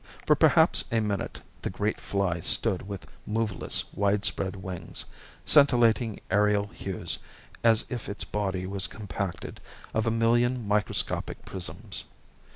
For perhaps a minute the great fly stood with moveless, wide spread wings, scintillating aerial hues as if its body was compacted of a million microscopic prisms.